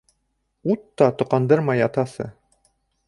Ут та тоҡандырмай ятасы?!